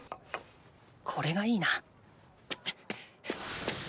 これがいいな。